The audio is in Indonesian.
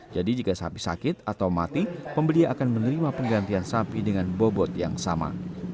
jadi jika sapi sakit atau mati pembeli akan menerima penggantian sapi dengan bobot yang sama